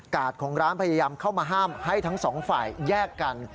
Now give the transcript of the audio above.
ของร้านพยายามเข้ามาห้ามให้ทั้งสองฝ่ายแยกกัน